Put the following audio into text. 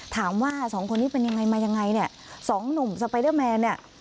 ถามว่าสองคนนี้เป็นยังไงมายังไงเนี่ยสองหนุ่มสไปเดอร์แมนเนี่ย